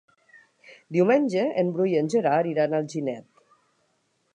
Diumenge en Bru i en Gerard iran a Alginet.